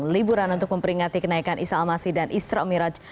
liburan untuk memperingati kenaikan isalmasi dan isra umiraj